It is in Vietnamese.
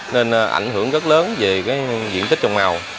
nên ảnh hưởng rất lớn về cái diện tích trồng màu